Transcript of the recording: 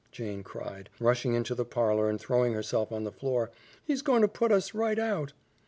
Jane cried, rushing into the parlor and throwing herself on the floor, "he's goin' to put us right out."